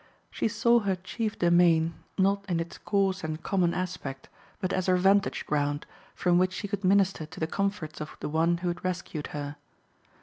She saw her chief domain, not in its coarse and common aspect, but as her vantage ground, from which she could minister to the comforts of the one who had rescued her.